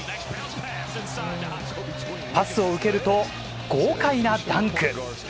パスを受けると豪快なダンク。